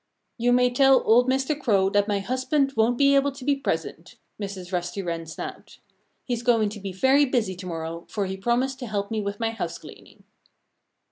"You may tell old Mr. Crow that my husband won't be able to be present," Mrs. Rusty Wren snapped. "He's going to be very busy to morrow, for he promised to help me with my house cleaning."